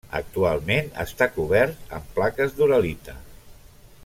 Actualment està cobert amb plaques d'uralita.